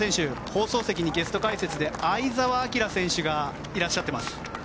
放送席にゲスト解説で相澤晃選手がいらっしゃっています。